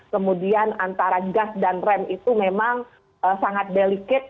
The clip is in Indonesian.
kemudian antara gas dan rem itu memang sangat delicated